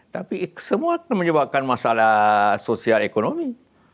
tapi semua akan menyebabkan masalah sosial ekonomi